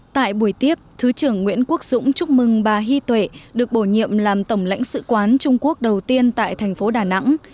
tại buổi tiếp thứ trưởng nguyễn quốc dũng chúc mừng bà hy tuệ được bổ nhiệm làm tổng lãnh sự quán trung quốc đầu tiên tại thành phố đà nẵng